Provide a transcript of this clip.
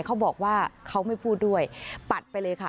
เขาบอกว่าเขาไม่พูดด้วยปัดไปเลยค่ะ